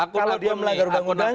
kalau dia melanggar undang undang